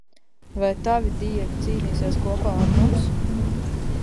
Vai tavi dievi cīnīsies kopā ar mums?